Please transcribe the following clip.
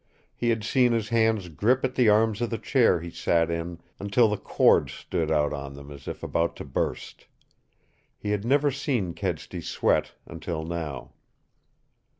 He had seen his hands grip at the arms of the chair he sat in until the cords stood out on them as if about to burst. He had never seen Kedsty sweat until now.